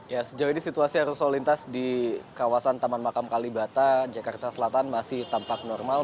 ya sejauh ini situasi arus lalu lintas di kawasan taman makam kalibata jakarta selatan masih tampak normal